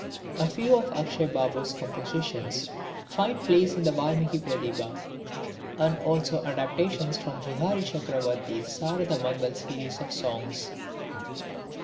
A few of Akshay Babu's compositions find place in the Valmiki Pratibha and also adaptations from Vihari Chakravarti's Sarada Mangal series of songs.